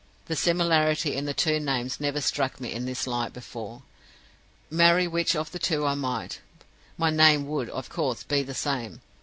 The similarity in the two names never struck me in this light before. Marry which of the two I might, my name would, of course, be the same.